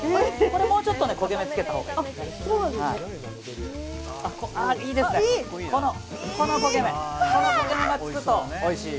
これ、もうちょっと焦げ目をつけたほうがいい。